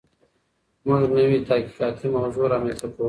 موږ نوي تحقیقاتي موضوعات رامنځته کوو.